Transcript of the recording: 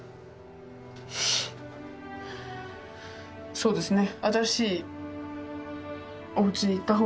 そうですね。